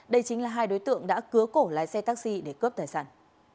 đây chính là hai đối tượng đã cứa cổ lái xe taxi để cướp tài sản